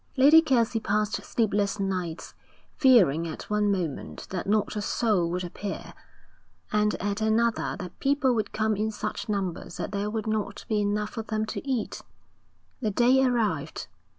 Lady Kelsey passed sleepless nights, fearing at one moment that not a soul would appear, and at another that people would come in such numbers that there would not be enough for them to eat. The day arrived.